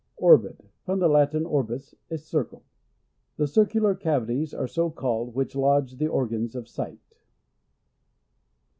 \ Orbit. — From the Latin, arbis, a cir cle. The circular cavities are so called, which lodge the organs of sight.